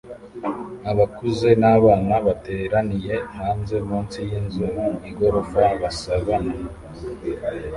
Abakuze n'abana bateraniye hanze munsi y'inzu igorofa basabana